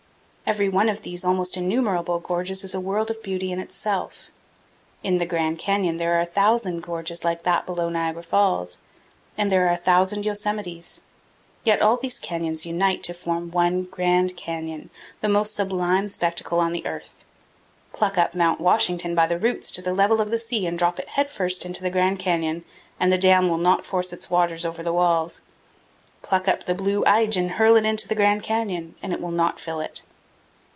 Every one of these almost innumerable gorges is a world of beauty in itself. In the Grand Canyon there are thousands of gorges like that below Niagara Palls, and there are a thousand Yosemites. Yet all these canyons unite to form one grand canyon, the most sublime spectacle on the earth. Pluck up Mt. Washington by the roots to the level of the sea and drop it headfirst into the Grand Canyon, and the dam will not force its waters over the walls. Pluck up the Blue Ridge and hurl it into the Grand Canyon, and it will not fill it.